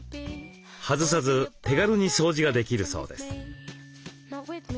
外さず手軽に掃除ができるそうです。